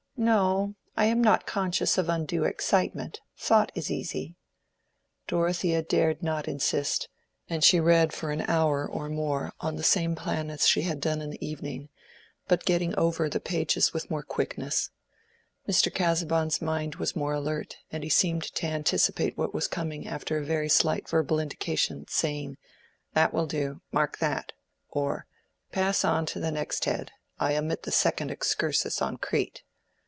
"No, I am not conscious of undue excitement. Thought is easy." Dorothea dared not insist, and she read for an hour or more on the same plan as she had done in the evening, but getting over the pages with more quickness. Mr. Casaubon's mind was more alert, and he seemed to anticipate what was coming after a very slight verbal indication, saying, "That will do—mark that"—or "Pass on to the next head—I omit the second excursus on Crete."